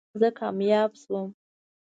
زه کامیاب شوم